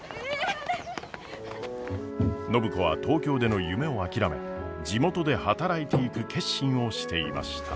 暢子は東京での夢を諦め地元で働いていく決心をしていました。